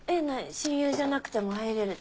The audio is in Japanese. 親友じゃなくても入れるって？